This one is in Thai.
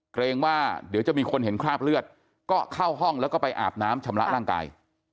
เกรงว่าเดี๋ยวจะมีคนเห็นคราบเลือดก็เข้าห้องแล้วก็ไปอาบน้ำชำระร่างกาย